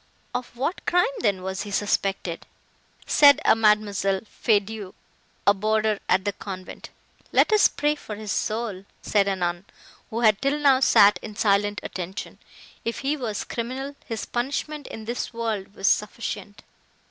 "Of what crime, then, was he suspected?" said a Mademoiselle Feydeau, a boarder at the convent. "Let us pray for his soul!" said a nun, who had till now sat in silent attention. "If he was criminal, his punishment in this world was sufficient."